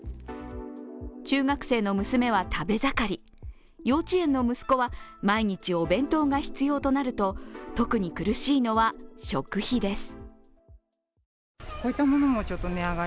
中学生の娘は食べ盛り、幼稚園の息子は毎日お弁当が必要となると特に苦しいのは食費です。